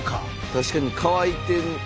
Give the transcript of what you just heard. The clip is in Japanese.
確かに乾いてるもんね